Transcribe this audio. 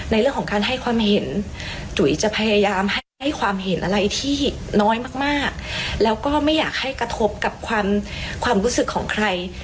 ในเรื่องของการให้ความเห็นจุ๋ยจะพยายามให้ความเห็นอะไรที่น้อยมากแล้วก็ไม่อยากให้กระทบกับความรู้สึกของใคร